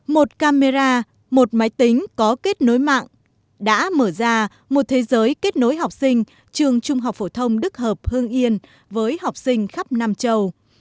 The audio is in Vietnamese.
một camera một máy tính có kết nối mạng đã mở ra một thế giới kết nối học sinh trường trung học phổ thông đức hợp hương yên với học sinh khắp nam châu